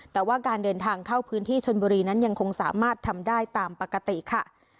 แต่ว่าการเดินทางเข้าพื้นที่ชนบุรีนั้นยังคงสามารถทำได้ตามปกติค่ะ